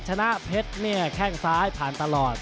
ชนะเพชรแข้งซ้ายผ่านตลอด